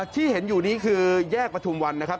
ที่เห็นอยู่นี้คือแยกประทุมวันนะครับ